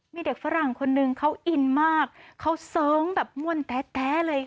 มีเด็กฝรั่งคนหนึ่งเขาอินมากเขาเซิงแบบมวลแต๊ะเลยค่ะ